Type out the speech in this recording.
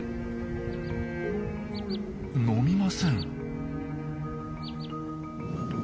飲みません。